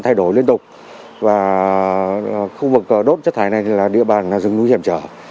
thay đổi liên tục và khu vực đốt chất thải này là địa bàn rừng núi hiểm trở